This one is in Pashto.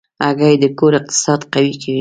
هګۍ د کور اقتصاد قوي کوي.